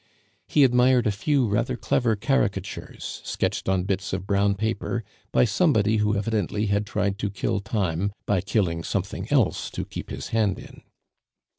He admired a few rather clever caricatures, sketched on bits of brown paper by somebody who evidently had tried to kill time by killing something else to keep his hand in.